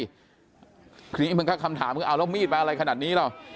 คือนี้มันก็คำถามเอาแล้วมีดมาอะไรขนาดนี้ล่ะ